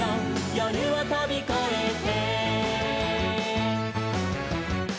「夜をとびこえて」